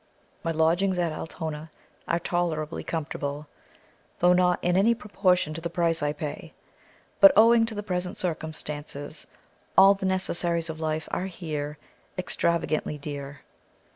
My lodgings at Altona are tolerably comfortable, though not in any proportion to the price I pay; but, owing to the present circumstances, all the necessaries of life are here extravagantly dear.